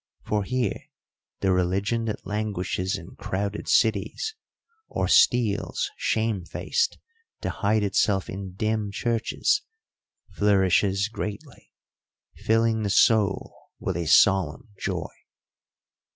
For here the religion that languishes in crowded cities or steals shame faced to hide itself in dim churches flourishes greatly, filling the soul with a solemn joy.